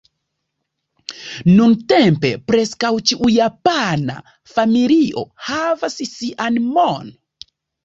Nuntempe preskaŭ ĉiu japana familio havas sian "mon".